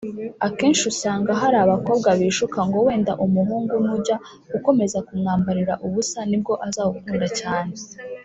Akenshi usanga hari abakobwa bishuka ngo wenda umuhungu nujya ukomeza kumwambarira ubusa nibwo azagukunda cyane